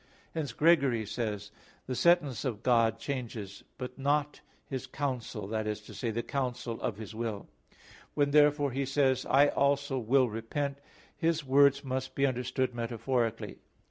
Hence Gregory says (Moral. xvi, 5): "The sentence of God changes, but not His counsel" that is to say, the counsel of His will. When therefore He says, "I also will repent," His words must be understood metaphorically.